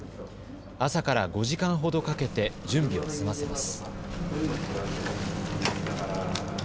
朝から５時間ほどかけて準備を済ませます。